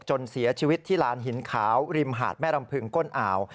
จนเสียชีวิตที่ลานหินขาวริมหาดแม่รำพึงก้นอ่าว